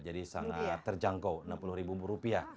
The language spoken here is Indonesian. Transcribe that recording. jadi sangat terjangkau rp enam puluh